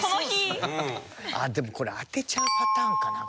でもこれ当てちゃうパターンかな。